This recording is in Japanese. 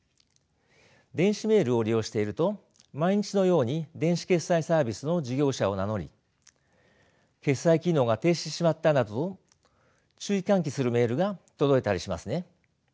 電子メールを利用していると毎日のように電子決済サービスの事業者を名乗り決済機能が停止してしまったなどと注意喚起するメールが届いたりしますね。